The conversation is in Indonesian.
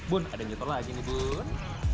bun ada nyitor lagi nih bun